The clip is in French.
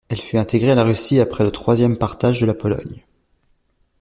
Elle fut intégrée à la Russie après le troisième partage de la Pologne.